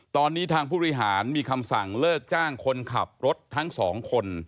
ตอนนี้ทางผู้บริหารมีคำสั่งเลิกจ้างคนขับรถทั้งสองคน